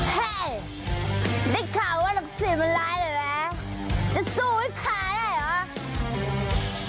เฮ้ยได้ข่าวว่าลักษณ์มันร้ายเลยนะจะสู้ให้ขายได้หรอ